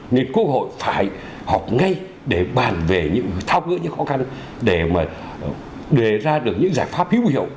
nghị quốc hội phải họp ngay để bàn về những thao ngưỡng những khó khăn để mà để ra được những giải pháp hữu hiệu